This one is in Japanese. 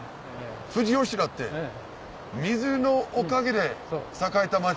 富士吉田って水のおかげで栄えた町でもある？